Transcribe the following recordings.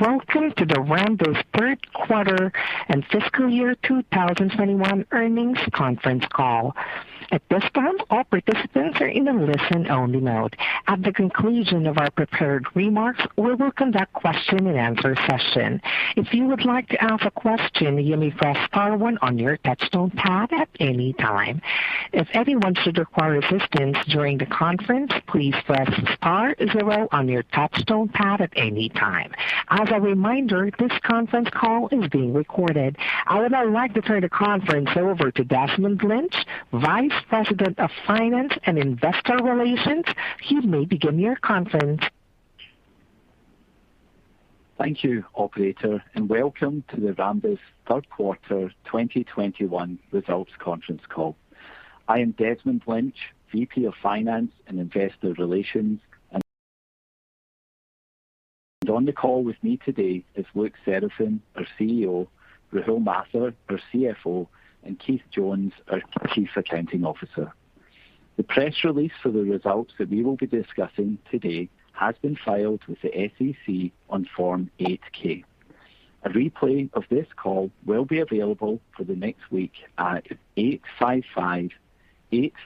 Welcome to the Rambus third quarter and fiscal year 2021 earnings conference call. At this time, all participants are in a listen-only mode. At the conclusion of our prepared remarks, we will conduct question and answer session. If you would like to ask a question, you may press star one on your touchtone pad at any time. If anyone should require assistance during the conference, please press star zero on your touchtone pad at any time. As a reminder, this conference call is being recorded. I would now like to turn the conference over to Desmond Lynch, Vice President of Finance and Investor Relations. You may begin your conference. Thank you, operator, and welcome to the Rambus third quarter 2021 results conference call. I am Desmond Lynch, VP of Finance and Investor Relations. On the call with me today is Luc Seraphin, our CEO, Rahul Mathur, our CFO, and Keith Jones, our Chief Accounting Officer. The press release for the results that we will be discussing today has been filed with the SEC on Form 8-K. A replay of this call will be available for the next week at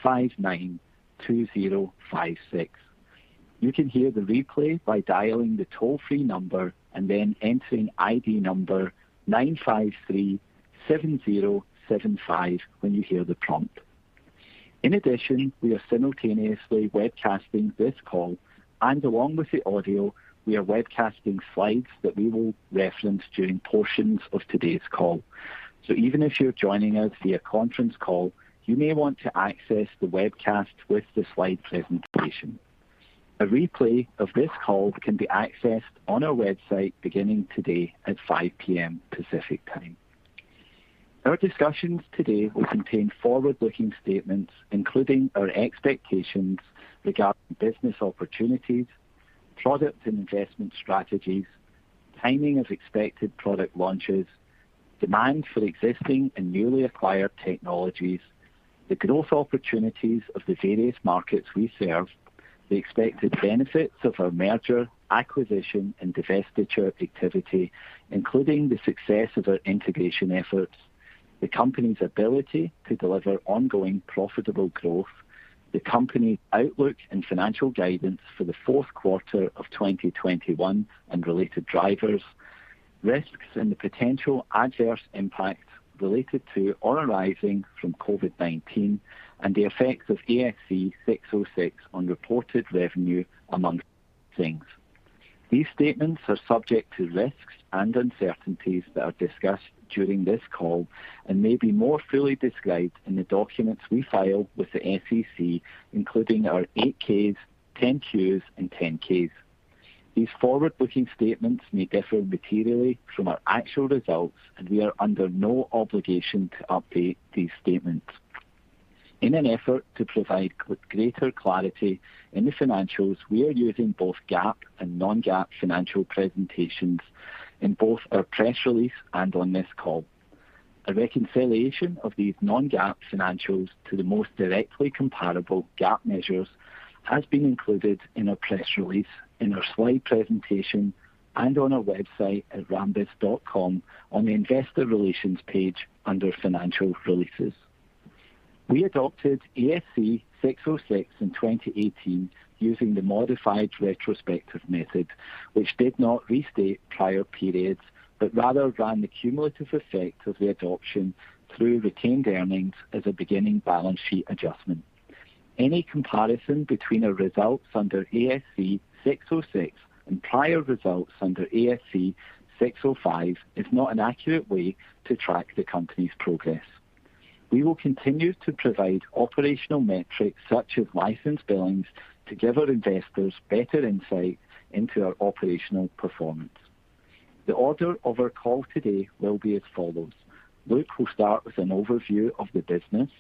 855-859-2056. You can hear the replay by dialing the toll-free number and then entering ID number 9537075 when you hear the prompt. In addition, we are simultaneously webcasting this call, and along with the audio, we are webcasting slides that we will reference during portions of today's call. Even if you're joining us via conference call, you may want to access the webcast with the slide presentation. A replay of this call can be accessed on our website beginning today at 5:00 P.M. Pacific Time. Our discussions today will contain forward-looking statements, including our expectations regarding business opportunities, product and investment strategies, timing of expected product launches, demand for existing and newly acquired technologies, the growth opportunities of the various markets we serve, the expected benefits of our merger, acquisition, and divestiture activity, including the success of our integration efforts, the company's ability to deliver ongoing profitable growth, the company outlook and financial guidance for the fourth quarter of 2021 and related drivers, risks and the potential adverse impacts related to or arising from COVID-19, and the effects of ASC 606 on reported revenue, among other things. These statements are subject to risks and uncertainties that are discussed during this call and may be more fully described in the documents we filed with the SEC, including our 8-Ks, 10-Qs, and 10-Ks. These forward-looking statements may differ materially from our actual results, and we are under no obligation to update these statements. In an effort to provide greater clarity in the financials, we are using both GAAP and non-GAAP financial presentations in both our press release and on this call. A reconciliation of these non-GAAP financials to the most directly comparable GAAP measures has been included in our press release, in our slide presentation, and on our website at rambus.com on the Investor Relations page under Financial Releases. We adopted ASC 606 in 2018 using the modified retrospective method, which did not restate prior periods, but rather ran the cumulative effect of the adoption through retained earnings as a beginning balance sheet adjustment. Any comparison between our results under ASC 606 and prior results under ASC 605 is not an accurate way to track the company's progress. We will continue to provide operational metrics such as license billings to give our investors better insight into our operational performance. The order of our call today will be as follows. Luc will start with an overview of the business.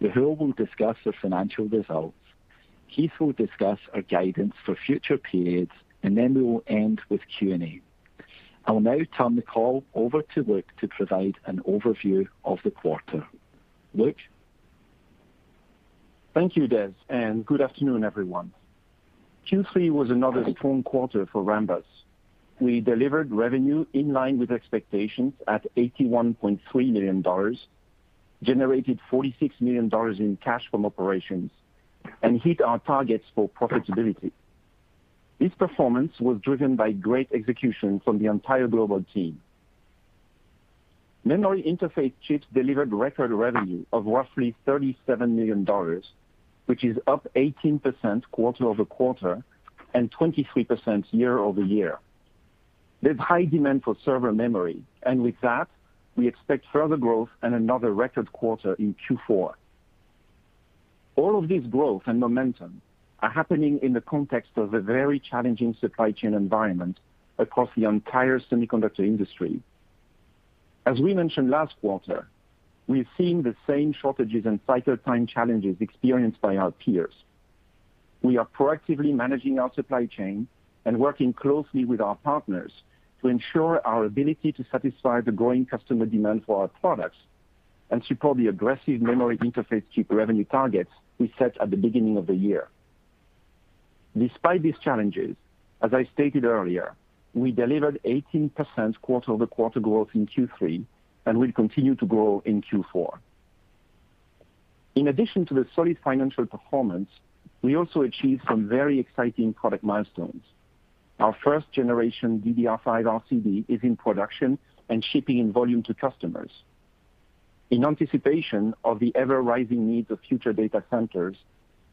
Rahul will discuss our financial results. Keith will discuss our guidance for future periods, and then we will end with Q&A. I will now turn the call over to Luc to provide an overview of the quarter. Luc? Thank you, Des, and good afternoon, everyone. Q3 was another strong quarter for Rambus. We delivered revenue in line with expectations at $81.3 million, generated $46 million in cash from operations, and hit our targets for profitability. This performance was driven by great execution from the entire global team. Memory Interface Chips delivered record revenue of roughly $37 million, which is up 18% quarter-over-quarter and 23% year-over-year. There's high demand for server memory, and with that, we expect further growth and another record quarter in Q4. All of this growth and momentum are happening in the context of a very challenging supply chain environment across the entire semiconductor industry. As we mentioned last quarter, we're seeing the same shortages and cycle time challenges experienced by our peers. We are proactively managing our supply chain and working closely with our partners to ensure our ability to satisfy the growing customer demand for our products and support the aggressive memory interface chip revenue targets we set at the beginning of the year. Despite these challenges, as I stated earlier, we delivered 18% quarter-over-quarter growth in Q3, and will continue to grow in Q4. In addition to the solid financial performance, we also achieved some very exciting product milestones. Our first generation DDR5 RCD is in production and shipping in volume to customers. In anticipation of the ever-rising needs of future data centers,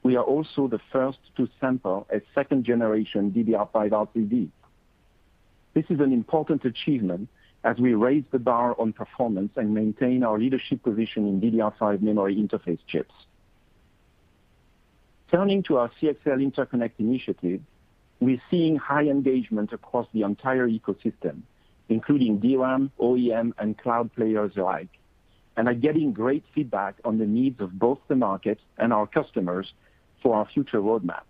we are also the first to sample a second generation DDR5 RCD. This is an important achievement as we raise the bar on performance and maintain our leadership position in DDR5 memory interface chips. Turning to our CXL interconnect initiative, we're seeing high engagement across the entire ecosystem, including DRAM, OEM, and cloud players alike, and are getting great feedback on the needs of both the market and our customers for our future roadmap.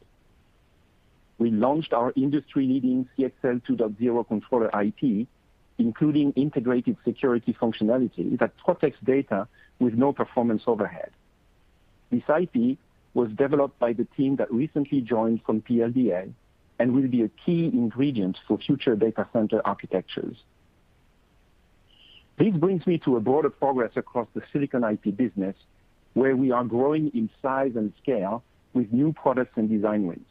We launched our industry-leading CXL 2.0 controller IP, including integrated security functionality that protects data with no performance overhead. This IP was developed by the team that recently joined from PLDA and will be a key ingredient for future data center architectures. This brings me to a broader progress across the Silicon IP business, where we are growing in size and scale with new products and design wins.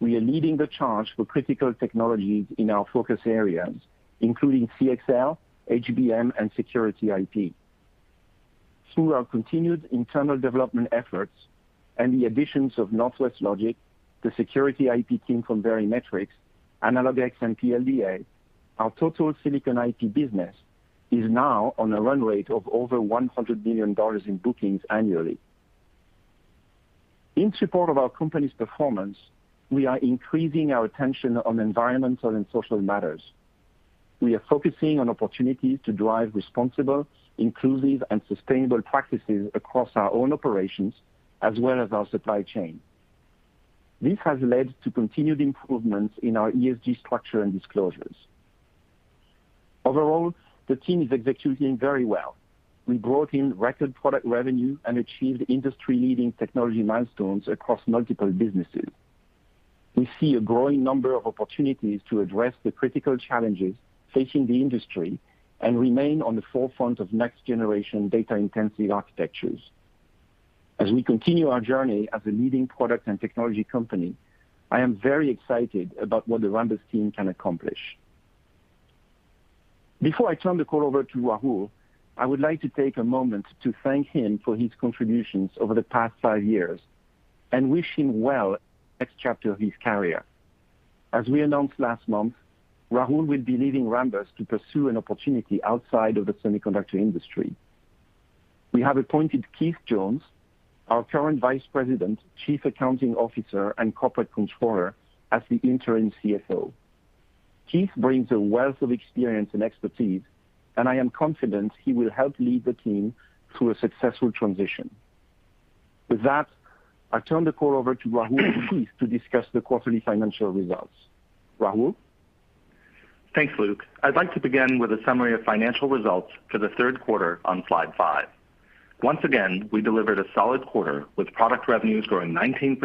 We are leading the charge for critical technologies in our focus areas, including CXL, HBM, and Security IP. Through our continued internal development efforts and the additions of Northwest Logic, the security IP team from Verimatrix, AnalogX, and PLDA, our total Silicon IP business is now on a run rate of over $100 million in bookings annually. In support of our company's performance, we are increasing our attention on environmental and social matters. We are focusing on opportunities to drive responsible, inclusive, and sustainable practices across our own operations as well as our supply chain. This has led to continued improvements in our ESG structure and disclosures. Overall, the team is executing very well. We brought in record product revenue and achieved industry-leading technology milestones across multiple businesses. We see a growing number of opportunities to address the critical challenges facing the industry and remain on the forefront of next-generation data-intensive architectures. As we continue our journey as a leading product and technology company, I am very excited about what the Rambus team can accomplish. Before I turn the call over to Rahul, I would like to take a moment to thank him for his contributions over the past five years and wish him well in the next chapter of his career. As we announced last month, Rahul will be leaving Rambus to pursue an opportunity outside of the semiconductor industry. We have appointed Keith Jones, our current Vice President, Chief Accounting Officer, and Corporate Controller, as the interim CFO. Keith brings a wealth of experience and expertise, and I am confident he will help lead the team through a successful transition. With that, I turn the call over to Rahul and Keith to discuss the quarterly financial results. Rahul? Thanks, Luc. I'd like to begin with a summary of financial results for the third quarter on slide five. Once again, we delivered a solid quarter with product revenues growing 19%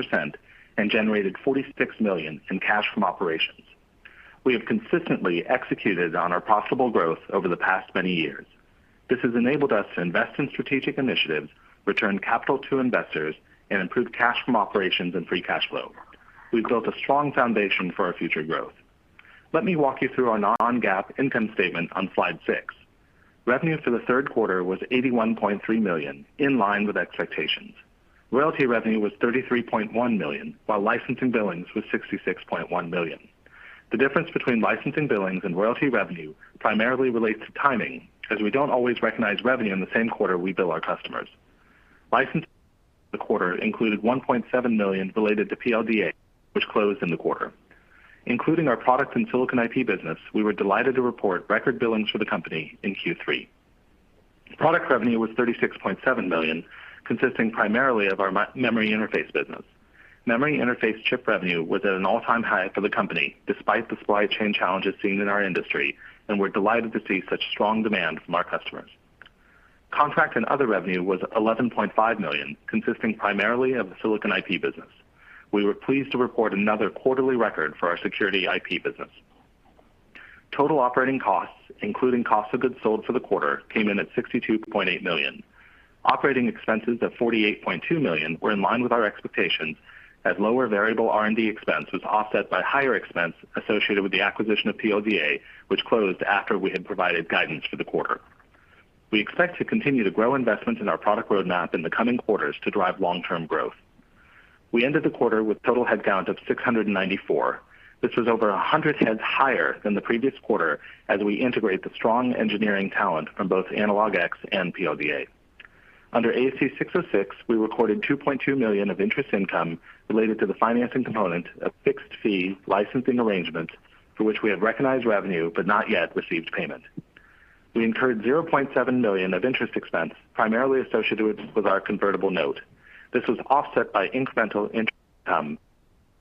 and generated $46 million in cash from operations. We have consistently executed on our profitable growth over the past many years. This has enabled us to invest in strategic initiatives, return capital to investors, and improve cash from operations and free cash flow. We've built a strong foundation for our future growth. Let me walk you through our non-GAAP income statement on slide six. Revenues for the third quarter was $81.3 million, in line with expectations. Royalty revenue was $33.1 million, while licensing billings was $66.1 million. The difference between licensing billings and royalty revenue primarily relates to timing, as we don't always recognize revenue in the same quarter we bill our customers. Licensing in the quarter included $1.7 million related to PLDA, which closed in the quarter. Including our product and Silicon IP business, we were delighted to report record billings for the company in Q3. Product revenue was $36.7 million, consisting primarily of our memory interface business. Memory interface chip revenue was at an all-time high for the company, despite the supply chain challenges seen in our industry, and we're delighted to see such strong demand from our customers. Contract and other revenue was $11.5 million, consisting primarily of the Silicon IP business. We were pleased to report another quarterly record for our Security IP business. Total operating costs, including cost of goods sold for the quarter, came in at $62.8 million. Operating expenses at $48.2 million were in line with our expectations, as lower variable R&D expense was offset by higher expense associated with the acquisition of PLDA, which closed after we had provided guidance for the quarter. We expect to continue to grow investments in our product roadmap in the coming quarters to drive long-term growth. We ended the quarter with total headcount of 694 heads. This was over 100 heads higher than the previous quarter as we integrate the strong engineering talent from both AnalogX and PLDA. Under ASC 606, we recorded $2.2 million of interest income related to the financing component of fixed-fee licensing arrangements for which we have recognized revenue but not yet received payment. We incurred $0.7 million of interest expense, primarily associated with our convertible note. This was offset by incremental interest income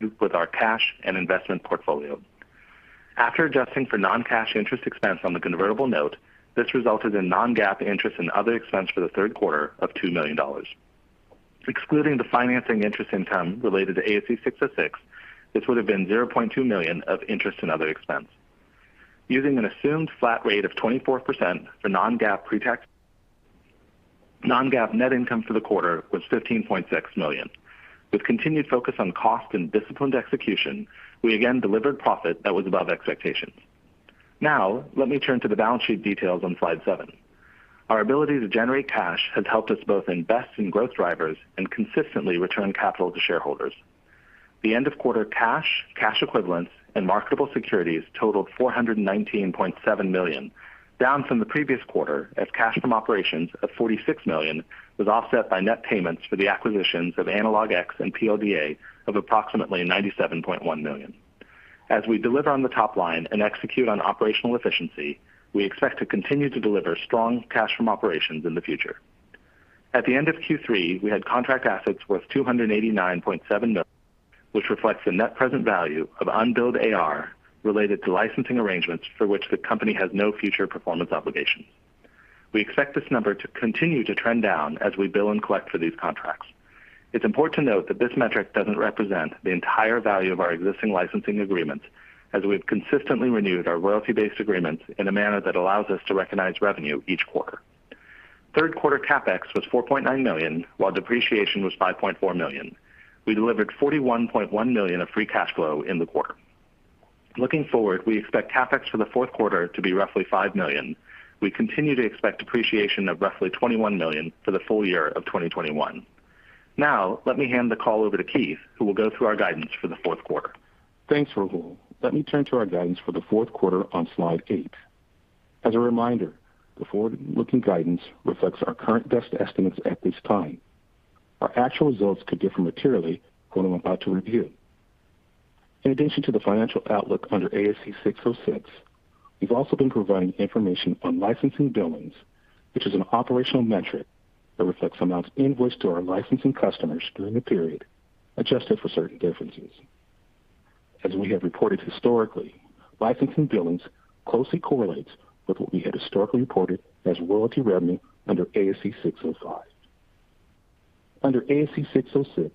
from our cash and investment portfolio. After adjusting for non-cash interest expense on the convertible note, this resulted in non-GAAP interest and other expense for the third quarter of $2 million. Excluding the financing interest income related to ASC 606, this would have been $0.2 million of interest and other expense. Using an assumed flat rate of 24% for non-GAAP pretax, non-GAAP net income for the quarter was $15.6 million. With continued focus on cost and disciplined execution, we again delivered profit that was above expectations. Now let me turn to the balance sheet details on slide seven. Our ability to generate cash has helped us both invest in growth drivers and consistently return capital to shareholders. The end of quarter cash equivalents, and marketable securities totaled $419.7 million, down from the previous quarter as cash from operations of $46 million was offset by net payments for the acquisitions of AnalogX and PLDA of approximately $97.1 million. As we deliver on the top line and execute on operational efficiency, we expect to continue to deliver strong cash from operations in the future. At the end of Q3, we had contract assets worth $289.7 million, which reflects the net present value of unbilled AR related to licensing arrangements for which the company has no future performance obligations. We expect this number to continue to trend down as we bill and collect for these contracts. It's important to note that this metric doesn't represent the entire value of our existing licensing agreements, as we have consistently renewed our royalty-based agreements in a manner that allows us to recognize revenue each quarter. Third quarter CapEx was $4.9 million, while depreciation was $5.4 million. We delivered $41.1 million of free cash flow in the quarter. Looking forward, we expect CapEx for the fourth quarter to be roughly $5 million. We continue to expect depreciation of roughly $21 million for the full year of 2021. Now let me hand the call over to Keith, who will go through our guidance for the fourth quarter. Thanks, Rahul. Let me turn to our guidance for the fourth quarter on slide eight. As a reminder, the forward-looking guidance reflects our current best estimates at this time. Our actual results could differ materially from what I'm about to review. In addition to the financial outlook under ASC 606, we've also been providing information on licensing billings, which is an operational metric that reflects amounts invoiced to our licensing customers during the period, adjusted for certain differences. As we have reported historically, licensing billings closely correlates with what we had historically reported as royalty revenue under ASC 605. Under ASC 606,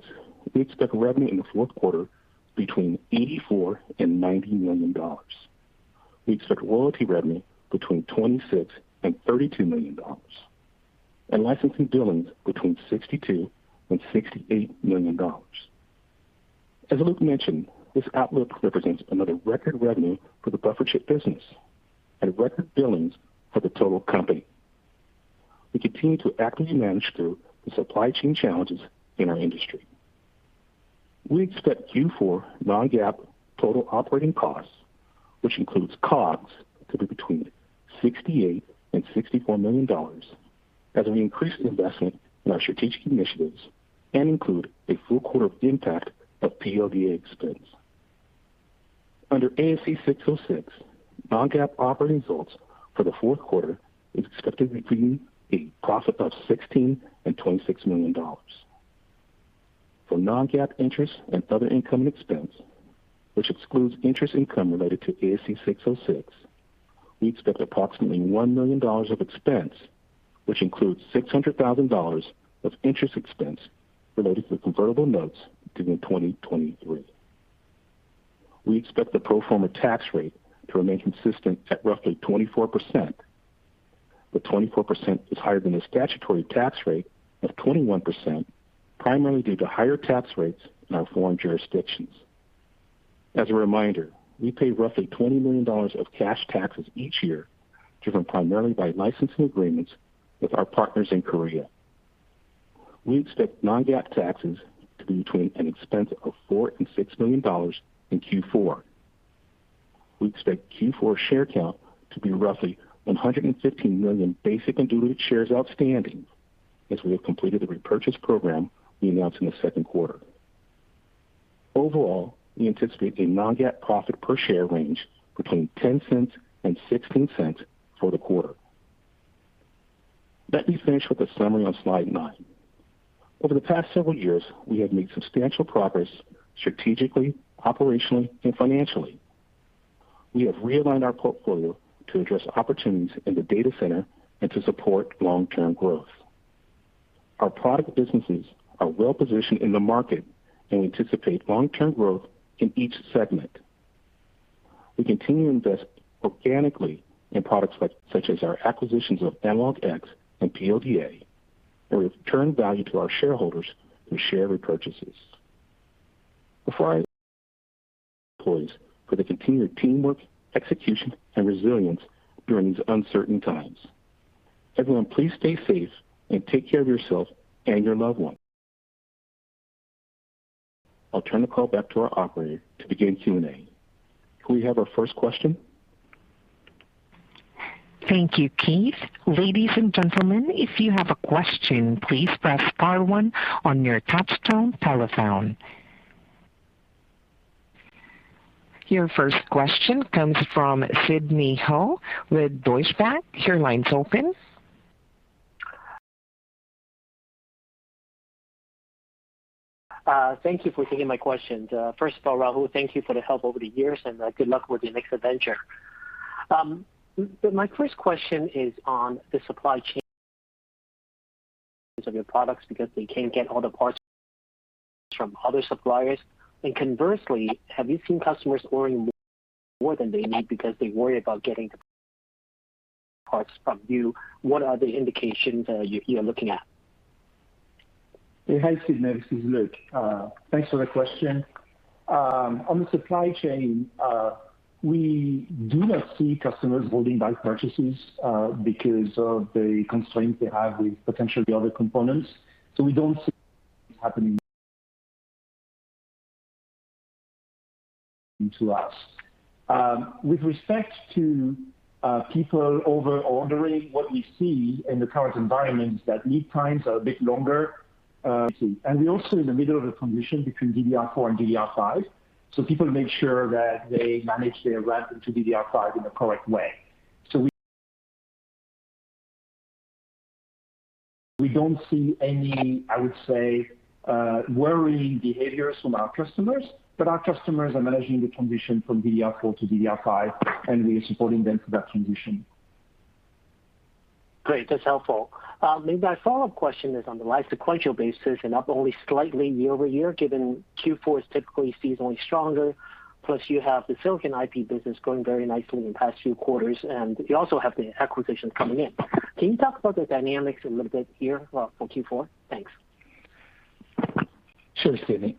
we expect revenue in the fourth quarter between $84 million and $90 million. We expect royalty revenue between $26 million and $32 million, and licensing billings between $62 million and $68 million. As Luc mentioned, this outlook represents another record revenue for the Buffer Chip business and record billings for the total company. We continue to actively manage through the supply chain challenges in our industry. We expect Q4 non-GAAP total operating costs, which includes COGS, to be between $64 million and $68 million as we increase investment in our strategic initiatives and include a full quarter of the impact of PLDA expense. Under ASC 606, non-GAAP operating results for the fourth quarter is expected to be a profit of $16 million and $26 million. For non-GAAP interest and other income and expense, which excludes interest income related to ASC 606, we expect approximately $1 million of expense, which includes $600,000 of interest expense related to convertible notes due in 2023. We expect the pro forma tax rate to remain consistent at roughly 24%, but 24% is higher than the statutory tax rate of 21%, primarily due to higher tax rates in our foreign jurisdictions. As a reminder, we pay roughly $20 million of cash taxes each year, driven primarily by licensing agreements with our partners in Korea. We expect non-GAAP taxes to be between an expense of $4million-$6 million in Q4. We expect Q4 share count to be roughly 115 million basic and diluted shares outstanding as we have completed the repurchase program we announced in the second quarter. Overall, we anticipate a non-GAAP profit per share range between $0.10-$0.16 for the quarter. Let me finish with a summary on slide nine. Over the past several years, we have made substantial progress strategically, operationally, and financially. We have realigned our portfolio to address opportunities in the data center and to support long-term growth. Our product businesses are well positioned in the market, and we anticipate long-term growth in each segment. We continue to invest organically in products such as our acquisitions of AnalogX and PLDA, and we've returned value to our shareholders through share repurchases. Before I close for the continued teamwork, execution, and resilience during these uncertain times. Everyone, please stay safe and take care of yourself and your loved ones. I'll turn the call back to our operator to begin Q&A. Can we have our first question? Thank you, Keith. Ladies and gentlemen, if you have a question, please press star one on your touchtone telephone. Your first question comes from Sidney Ho with Deutsche Bank. Your line's open. Thank you for taking my questions. First of all, Rahul, thank you for the help over the years, and good luck with your next adventure. My first question is on the supply chain of your products because they can't get all the parts from other suppliers. Conversely, have you seen customers ordering more than they need because they worry about getting parts from you? What are the indications you are looking at? Hey, hi, Sidney. This is Luc. Thanks for the question. On the supply chain, we do not see customers holding back purchases, because of the constraints they have with potentially other components. We don't see happening to us. With respect to people over-ordering, what we see in the current environment is that lead times are a bit longer. We're also in the middle of a transition between DDR4 and DDR5, so people make sure that they manage their ramp to DDR5 in the correct way. We don't see any, I would say, worrying behaviors from our customers. Our customers are managing the transition from DDR4 to DDR5, and we are supporting them through that transition. Great. That's helpful. Maybe my follow-up question is on the like sequential basis and up only slightly year-over-year, given Q4 is typically seasonally stronger, plus you have the Silicon IP business going very nicely in the past few quarters, and you also have the acquisitions coming in. Can you talk about the dynamics a little bit here, for Q4? Thanks. Sure, Sidney.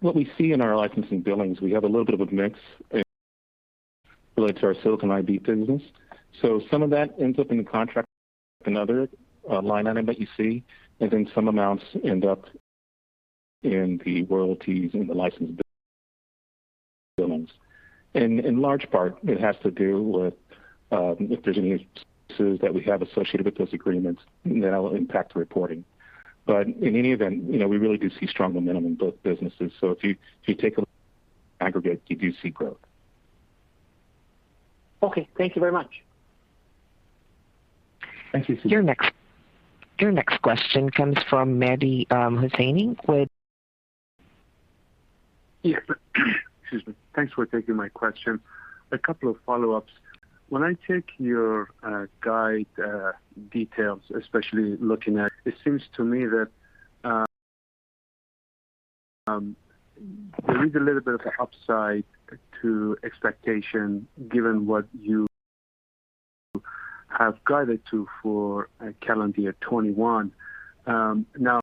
What we see in our licensing billings, we have a little bit of a mix related to our Silicon IP business. Some of that ends up in the contract, another line item that you see, and then some amounts end up in the royalties and the license billings. In large part, it has to do with if there's any expenses that we have associated with those agreements that'll impact the reporting. In any event, you know, we really do see strong momentum in both businesses. If you take a look aggregate, you do see growth. Okay. Thank you very much. Thank you, Sidney. Your next question comes from Mehdi Hosseini with. Yeah. Excuse me. Thanks for taking my question. A couple of follow-ups. When I take your guide details, especially looking at, it seems to me that there is a little bit of upside to expectation given what you have guided to for calendar year 2021. Now,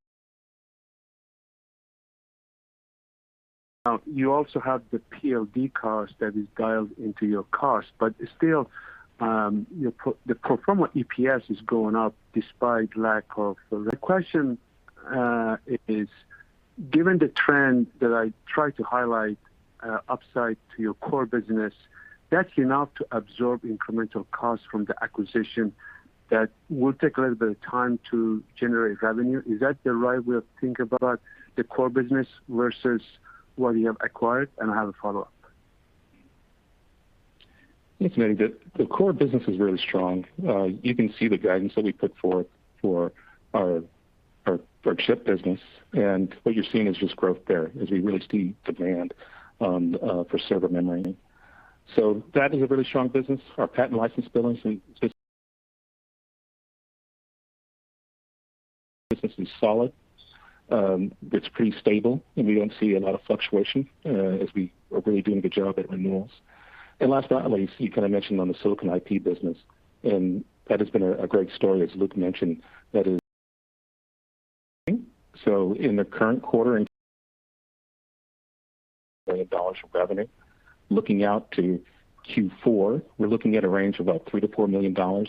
you also have the PLDA cost that is dialed into your cost. Still, your pro forma EPS is going up despite lack of. The question is, given the trend that I try to highlight, upside to your core business, that's enough to absorb incremental costs from the acquisition that will take a little bit of time to generate revenue. Is that the right way of think about the core business versus what you have acquired? I have a follow-up. Thanks, Mehdi. The core business is really strong. You can see the guidance that we put forth for our chip business, and what you're seeing is just growth there as we really see demand for server memory. That is a really strong business. Our patent license billings and business is solid. It's pretty stable, and we don't see a lot of fluctuation as we are really doing a good job at renewals. Last but not least, you kinda mentioned the Silicon IP business, and that has been a great story, as Luc mentioned. That is. In the current quarter, in millions of dollars of revenue. Looking out to Q4, we're looking at a range of about $3 million-$4 million.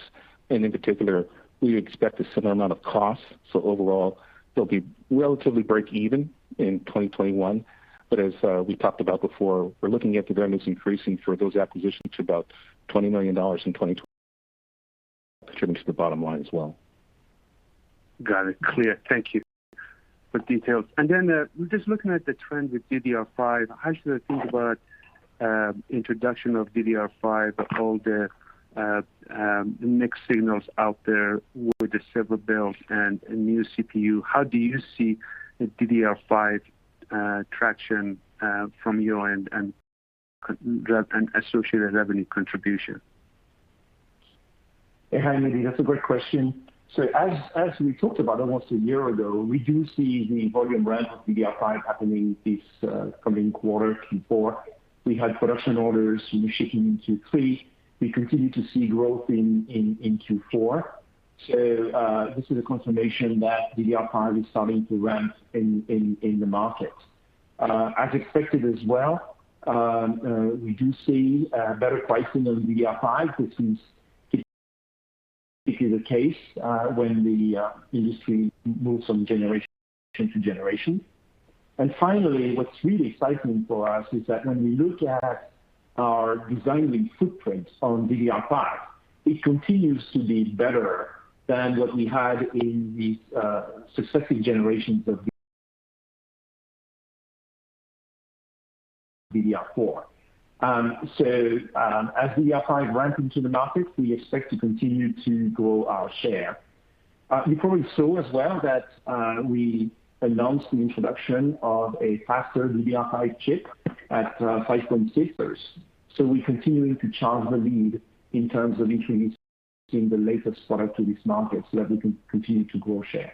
In particular, we expect a similar amount of costs. Overall, they'll be relatively break even in 2021. As we talked about before, we're looking at the revenues increasing for those acquisitions about $20 million in 2020 to contribute to the bottom line as well. Got it. Clear. Thank you for details. Just looking at the trend with DDR5, how should I think about introduction of DDR5, all the mixed signals out there with the server builds and a new CPU? How do you see the DDR5 traction from your end and associated revenue contribution? Hey. Hi, Mehdi. That's a great question. As we talked about almost a year ago, we do see the volume ramp of DDR5 happening this coming quarter, Q4. We had production orders, you know, shipping in Q3. We continue to see growth in Q4. This is a confirmation that DDR5 is starting to ramp in the market. As expected as well, we do see better pricing on DDR5, which is typically the case when the industry moves from generation to generation. Finally, what's really exciting for us is that when we look at our designing footprint on DDR5, it continues to be better than what we had in the successive generations of DDR4. As DDR5 ramp into the market, we expect to continue to grow our share. You probably saw as well that we announced the introduction of a faster DDR5 chip at 5.6 GHz. We're continuing to charge the lead in terms of introducing the latest product to this market so that we can continue to grow share.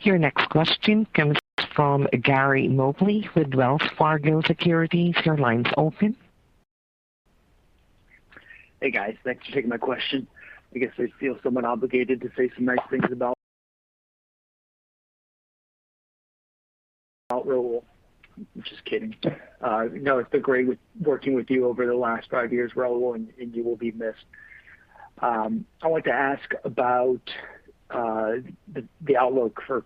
Your next question comes from Gary Mobley with Wells Fargo Securities. Your line's open. Hey, guys. Thanks for taking my question. I guess I feel somewhat obligated to say some nice things about Rahul. I'm just kidding. No, it's been great working with you over the last five years, Rahul, and you will be missed. I want to ask about the outlook for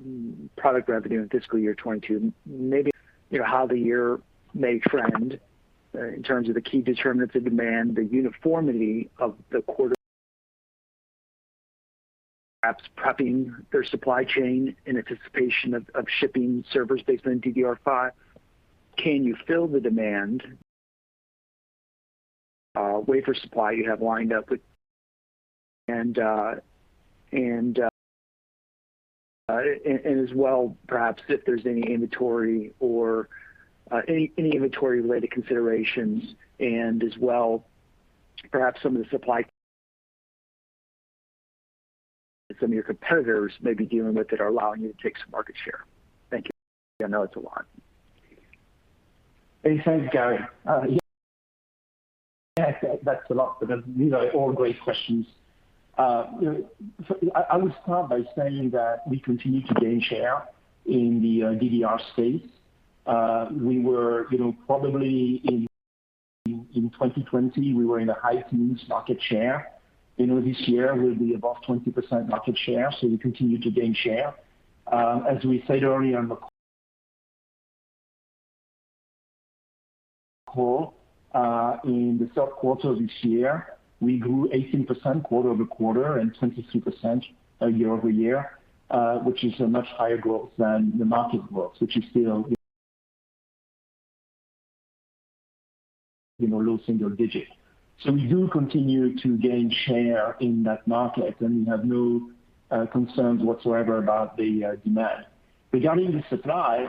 memory product revenue in fiscal year 2022, maybe, you know, how the year may trend in terms of the key determinants of demand, the uniformity of the quarter. Perhaps prepping their supply chain in anticipation of shipping servers based on DDR5. Can you fill the demand, wafer supply you have lined up with. As well, perhaps if there's any inventory related considerations and as well, perhaps some of the supply some of your competitors may be dealing with that are allowing you to take some market share. Thank you. I know it's a lot. Hey, thanks, Gary. Yeah, that's a lot, but you know, all great questions. You know, I would start by saying that we continue to gain share in the DDR space. We were, you know, probably in 2020, we were in the high teens market share. You know, this year we'll be above 20% market share, so we continue to gain share. As we said earlier on the call, in the third quarter of this year, we grew 18% quarter-over-quarter and 22% year-over-year, which is a much higher growth than the market growth, which is still, you know, low single digits. We do continue to gain share in that market, and we have no concerns whatsoever about the demand. Regarding the supply,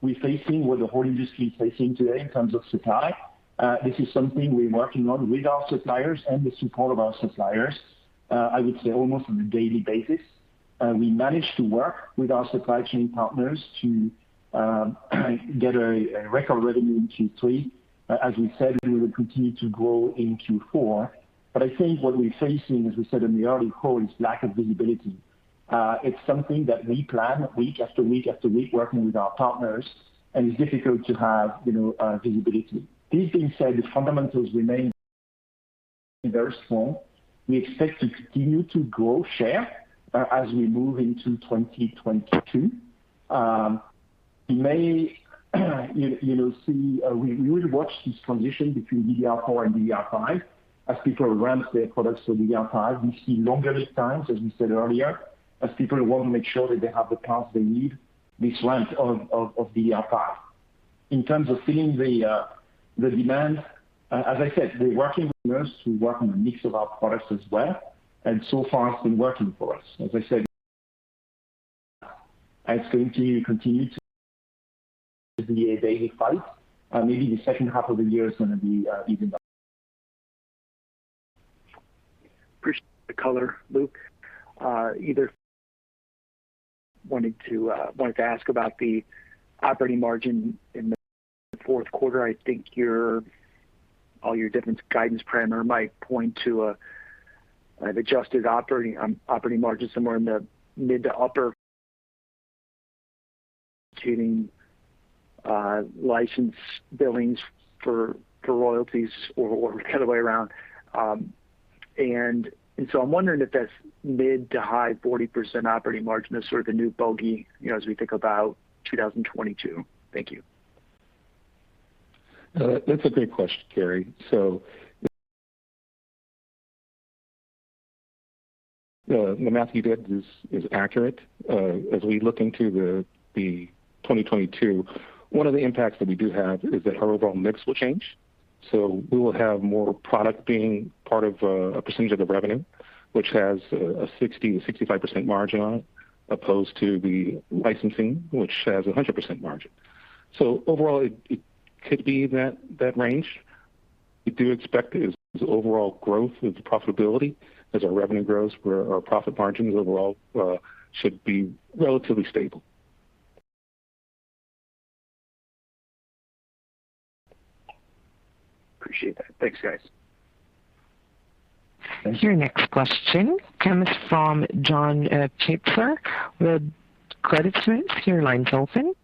we're facing what the whole industry is facing today in terms of supply. This is something we're working on with our suppliers and the support of our suppliers, I would say almost on a daily basis. We managed to work with our supply chain partners to get a record revenue in Q3. As we said, we will continue to grow in Q4. I think what we're facing, as we said in the earnings call, is lack of visibility. It's something that we plan week after week after week working with our partners, and it's difficult to have, you know, visibility. That being said, the fundamentals remain very strong. We expect to continue to grow share, as we move into 2022. In May, you will see we will watch this transition between DDR4 and DDR5 as people ramp their products for DDR5. We see longer lead times, as we said earlier, as people want to make sure that they have the parts they need this ramp of DDR5. In terms of filling the demand, as I said, we're working with ours to work on the mix of our products as well, and so far it's been working for us. As I said, it's going to continue to be a daily fight. Maybe the second half of the year is gonna be even better. Appreciate the color, Luc. Wanted to ask about the operating margin in the fourth quarter. I think overall your different guidance parameters might point to an adjusted operating margin somewhere in the mid- to upper-40%s. Regarding license billings for royalties or the other way around. I'm wondering if that's mid- to high-40% operating margin is sort of the new bogey, you know, as we think about 2022. Thank you. That's a great question, Gary. The math you did is accurate. As we look into the 2022, one of the impacts that we do have is that our overall mix will change. We will have more product being part of a percentage of revenue, which has a 60%-65% margin on it, opposed to the licensing, which has a 100% margin. Overall, it could be that range. We do expect overall growth of the profitability as our revenue grows, where our profit margins overall should be relatively stable. Appreciate that. Thanks, guys. Thank you. Your next question comes from John Pitzer with Credit Suisse. Your line's open.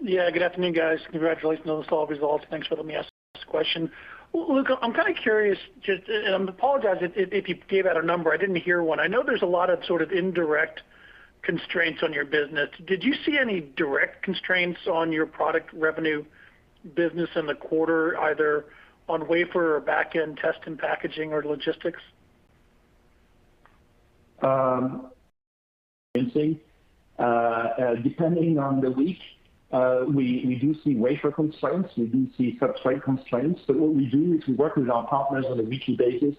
Yeah. Good afternoon, guys. Congratulations on those solid results. Thanks for letting me ask this question. Luc, I'm kinda curious just and I apologize if you gave out a number, I didn't hear one. I know there's a lot of sort of indirect constraints on your business. Did you see any direct constraints on your product revenue business in the quarter, either on wafer or back-end test and packaging or logistics? Depending on the week, we do see wafer constraints, we do see substrate constraints. What we do is we work with our partners on a weekly basis.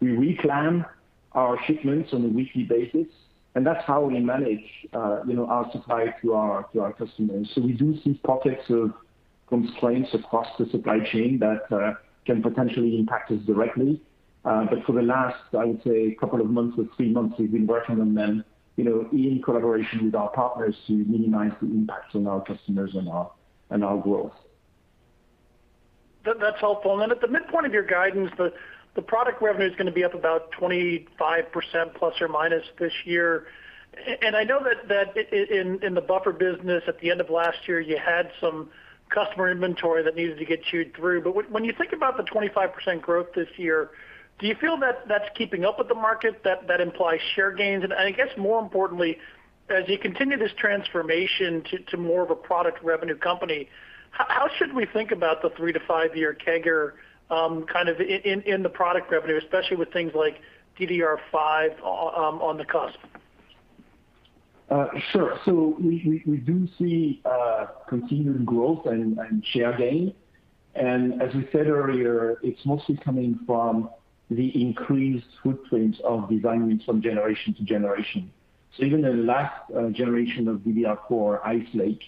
We re-plan our shipments on a weekly basis, and that's how we manage, you know, our supply to our customers. We do see pockets of constraints across the supply chain that can potentially impact us directly. For the last, I would say couple of months or three months, we've been working on them, you know, in collaboration with our partners to minimize the impact on our customers and our growth. That, that's helpful. Then at the midpoint of your guidance, the product revenue is gonna be up about 25% ± this year. I know that in the buffer business at the end of last year, you had some customer inventory that needed to get chewed through. When you think about the 25% growth this year, do you feel that that's keeping up with the market, that implies share gains? I guess more importantly, as you continue this transformation to more of a product revenue company, how should we think about the three to five year CAGR, kind of in the product revenue, especially with things like DDR5 on the cusp? Sure. We do see continued growth and share gain. As we said earlier, it's mostly coming from the increased footprint of design wins from generation to generation. Even the last generation of DDR4 Ice Lake,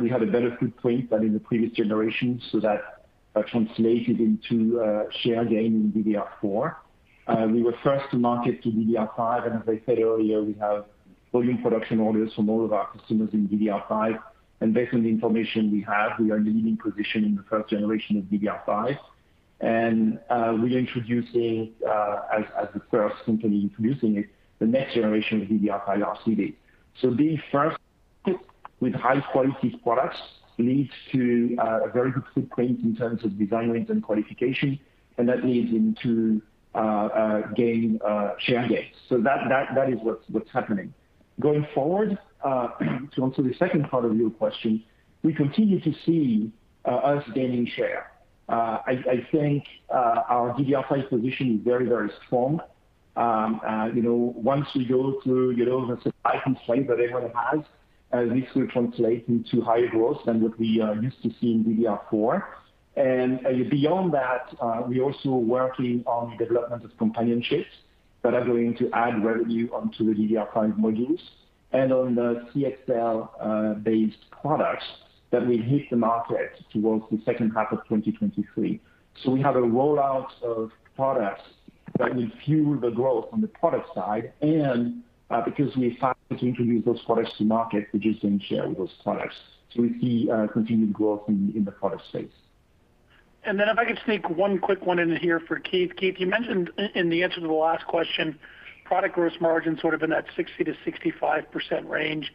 we had a better footprint than in the previous generation, so that translated into share gain in DDR4. We were first to market to DDR5, and as I said earlier, we have volume production orders from all of our customers in DDR5. Based on the information we have, we are in the leading position in the first generation of DDR5. We're introducing as the first company introducing it, the next generation of DDR5 RCD. Being first with high-quality products leads to a very good footprint in terms of design wins and qualification, and that leads into share gains. That is what's happening. Going forward to answer the second part of your question, we continue to see us gaining share. I think our DDR5 position is very strong. You know, once we go through you know the supply constraints that everyone has, this will translate into higher growth than what we are used to seeing in DDR4. Beyond that, we're also working on the development of companion chips that are going to add revenue onto the DDR5 modules and on the CXL based products that will hit the market towards the second half of 2023. We have a rollout of products that will fuel the growth on the product side, and because we're starting to introduce those products to market, we gain share with those products. We see continued growth in the product space. If I could sneak one quick one in here for Keith. Keith, you mentioned in the answer to the last question, product gross margin sort of in that 60%-65% range.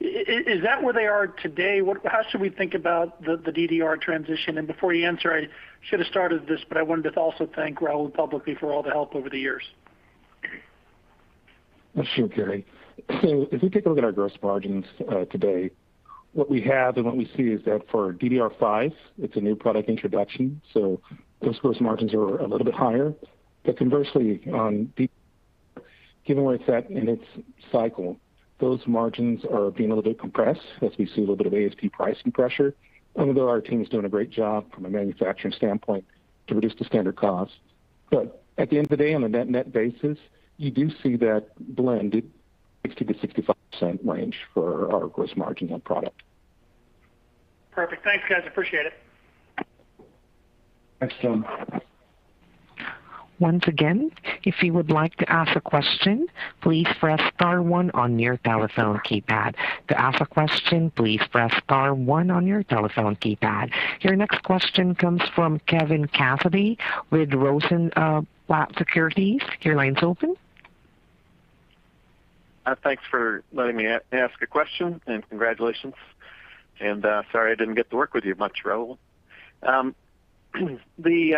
Is that where they are today? How should we think about the DDR transition? Before you answer, I should have started this, but I wanted to also thank Rahul publicly for all the help over the years. Sure, Gary. If we take a look at our gross margins, today, what we have and what we see is that for DDR5, it's a new product introduction, so those gross margins are a little bit higher. Conversely, on DDR4, given where it's at in its cycle, those margins are being a little bit compressed as we see a little bit of ASP pricing pressure, although our team is doing a great job from a manufacturing standpoint to reduce the standard cost. At the end of the day, on a net-net basis, you do see that blend at 60%-65% range for our gross margin on product. Perfect. Thanks, guys. Appreciate it. Thanks, John Pitzer. Your next question comes from Kevin Cassidy with Rosenblatt Securities. Your line's open. Thanks for letting me ask a question, and congratulations. Sorry, I didn't get to work with you much, Rahul. On the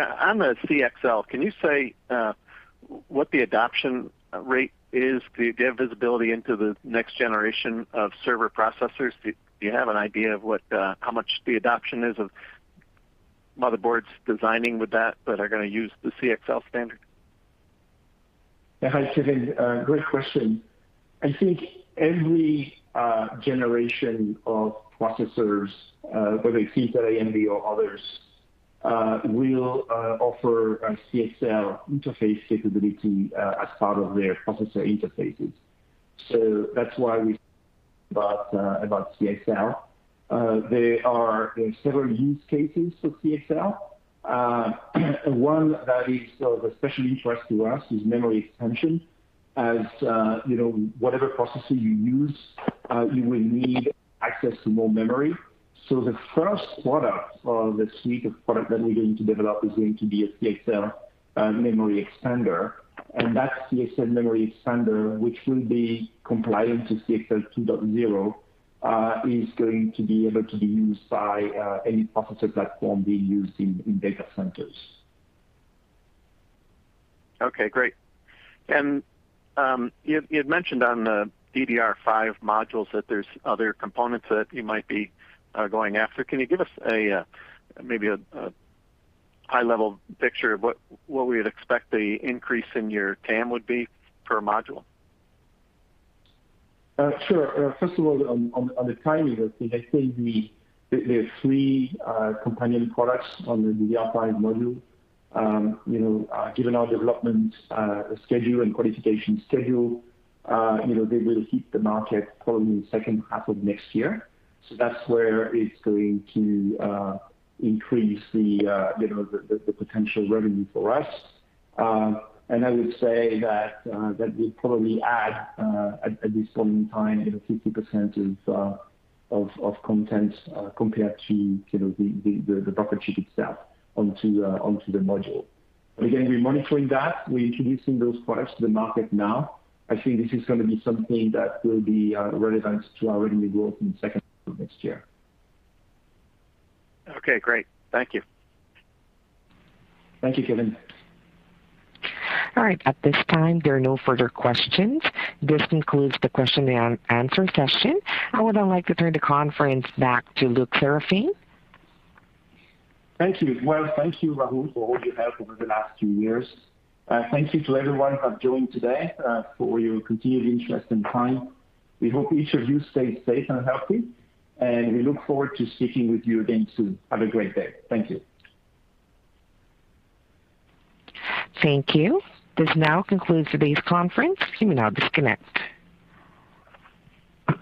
CXL, can you say what the adoption rate is? Do you have visibility into the next generation of server processors? Do you have an idea of what how much the adoption is of motherboards designing with that that are gonna use the CXL standard? Hi, Kevin. Great question. I think every generation of processors, whether it's Intel, AMD or others, will offer a CXL interface capability, as part of their processor interfaces. That's why we thought about CXL. There are several use cases for CXL. One that is of special interest to us is memory expansion, as you know, whatever processor you use, you will need access to more memory. The first product of the suite of product that we're going to develop is going to be a CXL memory extender. That CXL memory extender, which will be compliant to CXL 2.0, is going to be able to be used by any processor platform being used in data centers. Okay, great. You'd mentioned on the DDR5 modules that there's other components that you might be going after. Can you give us a maybe a high-level picture of what we'd expect the increase in your TAM would be per module? Sure. First of all, on the timing of things, there are three companion products on the DDR5 module. You know, given our development schedule and qualification schedule, you know, they will hit the market probably in the second half of next year. That's where it's going to increase the potential revenue for us. I would say that we probably add, at this point in time, you know, 50% of content compared to the Buffer Chip itself onto the module. Again, we're monitoring that. We're introducing those products to the market now. I think this is gonna be something that will be relevant to our revenue growth in the second half of next year. Okay, great. Thank you. Thank you, Kevin. All right. At this time, there are no further questions. This concludes the question and answer session. I would now like to turn the conference back to Luc Seraphin. Thank you. Well, thank you, Rahul, for all your help over the last few years. Thank you to everyone who have joined today, for your continued interest and time. We hope each of you stays safe and healthy, and we look forward to speaking with you again soon. Have a great day. Thank you. Thank you. This now concludes today's conference. You may now disconnect.